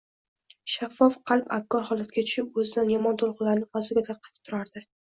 shaffof qalb abgor holatga tushib, o‘zidan yomon to‘lqinlarni fazoga tarqatib turardi.